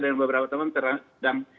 dan beberapa teman sedang